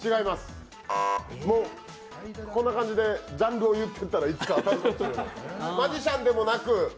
こんな感じでジャンルを言っていったら、いつか当たるというマジシャンでもなく。